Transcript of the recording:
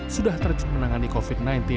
sudah terjun menangani covid sembilan belas